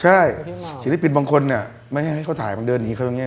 ใช่ศิลปินบางคนเนี่ยไม่ให้เขาถ่ายบางเดินหนีเขาอย่างนี้